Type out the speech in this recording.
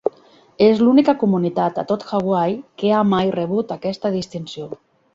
És l'única comunitat a tot Hawaii que ha mai rebut aquesta distinció.